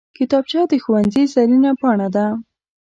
کتابچه د ښوونځي زرینه پاڼه ده